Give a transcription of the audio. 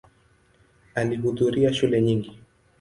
Alihudhuria shule nyingi.